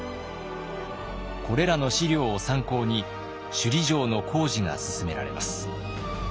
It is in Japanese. これらの資料を参考に首里城の工事が進められます。